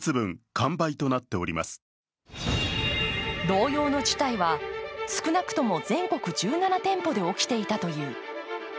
同様の事態は少なくとも全国１７店舗で起きていたという。